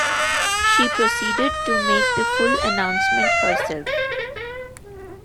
She proceeded to make the full announcement herself.